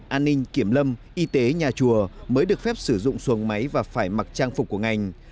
an ninh kiểm lâm y tế nhà chùa mới được phép sử dụng xuồng máy và phải mặc trang phục của ngành